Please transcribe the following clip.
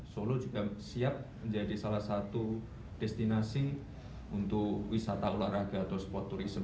solo juga siap menjadi salah satu destinasi untuk wisata olahraga atau sport tourism